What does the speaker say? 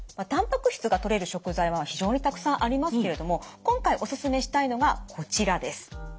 たんぱく質がとれる食材は非常にたくさんありますけれども今回おすすめしたいのがこちらです。